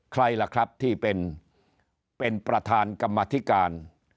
ใครล่ะครับที่เป็นประธานกรรมธิการ